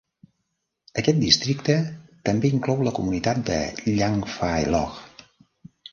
Aquest districte també inclou la comunitat de Llanfaelog.